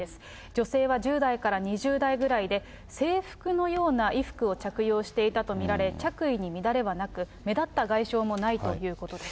女性は１０代から２０代ぐらいで、制服のような衣服を着用していたと見られ、着衣に乱れはなく、目立った外傷もないということです。